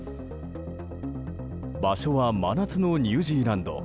場所は真夏のニュージーランド。